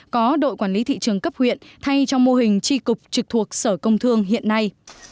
có đội quản lý thị trường cấp huyện thay cho mô hình tri cục trực thuộc sở công thương hiện nay